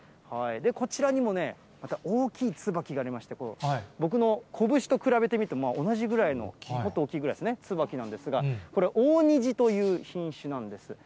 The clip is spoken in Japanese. こちらにもね、また大きいツバキがありまして、僕の拳と比べてみても同じぐらいの、もっと大きいぐらいですね、ツバキなんですが、これ、大虹という品種なんです。